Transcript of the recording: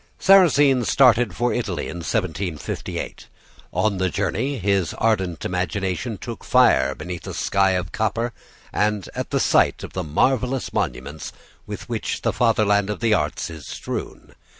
"Sarrasine started for Italy in 1758. On the journey his ardent imagination took fire beneath a sky of copper and at the sight of the marvelous monuments with which the fatherland of the arts is strewn.